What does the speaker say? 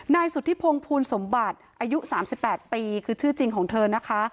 นายสุธิพงศ์ภูลสมบัติอายุ๓๘ปีคือชื่อจริงของเธอนะคะ